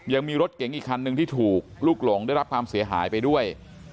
ยังมีรถเก๋งอีกคันหนึ่งที่ถูกลูกหลงได้รับความเสียหายไปด้วย